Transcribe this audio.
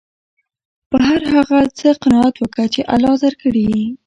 په هر هغه څه قناعت وکه، چي الله درکړي يي.